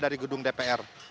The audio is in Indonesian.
dari gedung dpr